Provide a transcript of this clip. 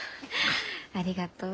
あありがとう。